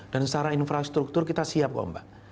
dan secara infrastruktur kita siap kok mbak